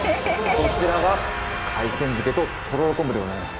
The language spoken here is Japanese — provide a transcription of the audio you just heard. こちらが海鮮漬ととろろ昆布でございます。